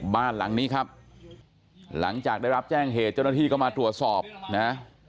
บ้านหลังนี้ครับหลังจากได้รับแจ้งเหตุเจ้าหน้าที่ก็มาตรวจสอบนะ